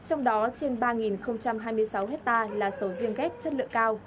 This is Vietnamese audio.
trong đó trên ba hai mươi sáu hectare là sầu riêng ghép chất lượng cao